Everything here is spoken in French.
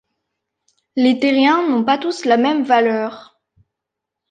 Les terrains n'ont pas tous la même valeur.